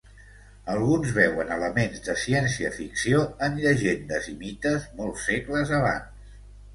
Alguns veuen elements de ciència-ficció en llegendes i mites molts segles abans.